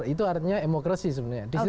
itu artinya emokrasi sebenarnya di situ